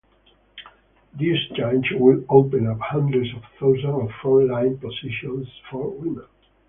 This change will open up hundreds of thousands of front-line positions for women.